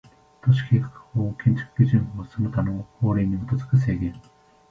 都市計画法、建築基準法その他の法令に基づく制限